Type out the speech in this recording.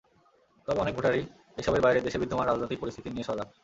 তবে অনেক ভোটারই এসবের বাইরে দেশের বিদ্যমান রাজনৈতিক পরিস্থিতি নিয়ে সজাগ।